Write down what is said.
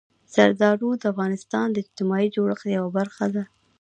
زردالو د افغانستان د اجتماعي جوړښت یوه برخه ده.